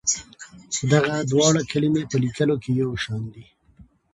دغه دواړه کلمې په لیکلو کې یو شان دي.